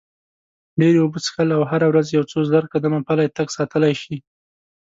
ډېرې اوبه څښل او هره ورځ یو څو زره قدمه پلی تګ ساتلی شي.